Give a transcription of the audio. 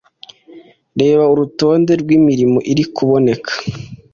Reba urutonde rw’imirimo iri kuboneka